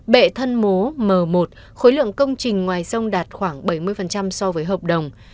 bệ thân mố m một khối lượng công trình ngoài sông đạt khoảng bảy mươi so với hợp đồng